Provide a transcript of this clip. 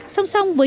song song với